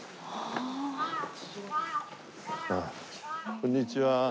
こんにちは。